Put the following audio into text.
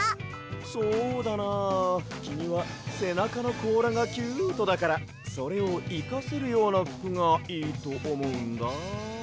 そうだなきみはせなかのこうらがキュートだからそれをいかせるようなふくがいいとおもうんだ。